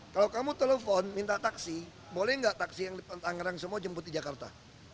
kalau kamu telepon minta taksi boleh nggak taksi yang di tangerang semua jemput di jakarta